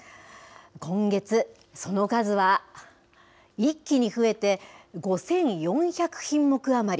今月、その数は一気に増えて、５４００品目余り。